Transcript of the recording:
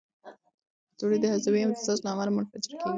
ستوري د هستوي امتزاج له امله منفجر کېږي.